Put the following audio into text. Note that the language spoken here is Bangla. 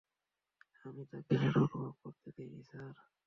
আমি তাকে সেটা অনুভব করতে দেইনি, স্যার।